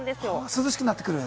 涼しくなってくる？